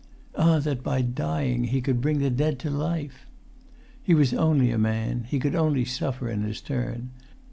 Ah, that by dying he could bring the dead to life! He was only a man; he could only suffer in his turn.